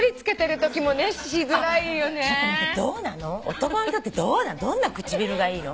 男の人ってどんな唇がいいの？